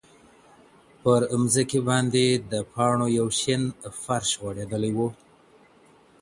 پر مځکي باندې د پاڼو یو شین فرش غوړېدلی و.